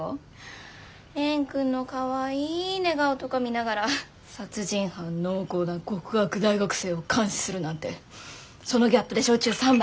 蓮くんのかわいい寝顔とか見ながら殺人犯濃厚な極悪大学生を監視するなんてそのギャップで焼酎３杯はいけるから。